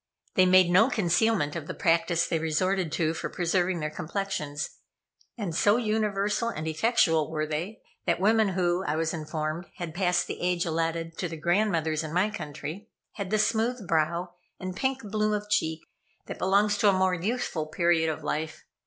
They made no concealment of the practice they resorted to for preserving their complexions, and so universal and effectual were they, that women who, I was informed, had passed the age allotted to the grandmothers in my country, had the smooth brow and pink bloom of cheek that belongs to a more youthful period of life.